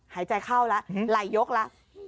หายใจเข้าแล้วไหลยกแล้ว